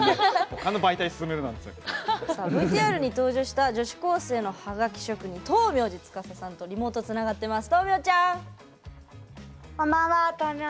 ＶＴＲに登場した、女子高生のハガキ職人、豆苗寺司さんとリモートつながっています。